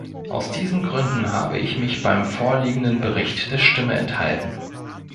Aus diesen Gründen habe ich mich beim vorliegenden Bericht der Stimme enthalten.